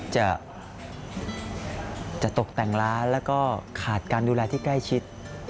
จะตกแต่งร้านแล้วก็ขาดการดูแลที่ใกล้ชิด